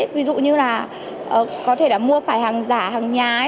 ví dụ như là có thể là mua phải hàng giả hàng nhái